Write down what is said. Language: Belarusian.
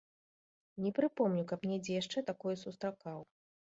Не прыпомню, каб недзе яшчэ такое сустракаў.